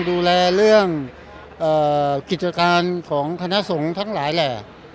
ดูแลเรื่องกิจการของคณะสงฆ์ทั้งหลายแหล่